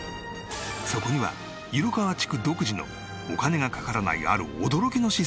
そこには色川地区独自のお金がかからないある驚きのシステムが。